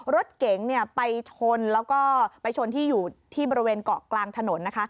รถเก๋งไปชนแล้วก็ไปชนที่อยู่ที่บริเวณเกาะกลางถนนนะคะ